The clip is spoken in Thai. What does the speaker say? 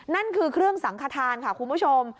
นั่นคือเครื่องสังขทานค่ะคุณผู้ชม